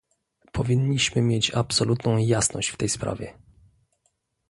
Powinniśmy mieć absolutną jasność w tej sprawie!